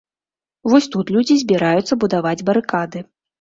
Вось тут людзі збіраюцца будаваць барыкады.